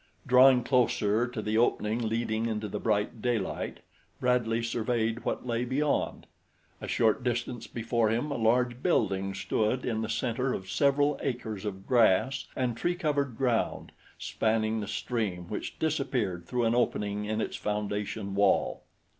Drawing closer to the opening leading into the bright daylight, Bradley surveyed what lay beyond. A short distance before him a large building stood in the center of several acres of grass and tree covered ground, spanning the stream which disappeared through an opening in its foundation wall.